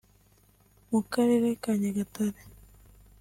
mu karere ka Nyagatare